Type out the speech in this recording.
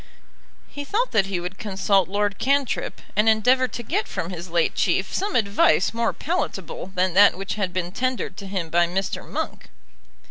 He thought that he would consult Lord Cantrip, and endeavour to get from his late Chief some advice more palatable than that which had been tendered to him by Mr. Monk.